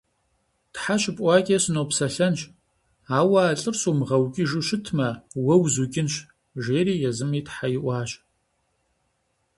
Тхьэ щыпӀуакӀэ сынопсэлъэнщ, ауэ а лӏыр сумыгъэукӀыжу щытмэ, уэ узукӀынщ, жери езыми тхьэ иӀуащ.